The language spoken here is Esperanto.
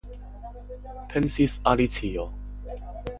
Pensis Alicio.